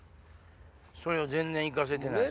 それを全然生かせてないし。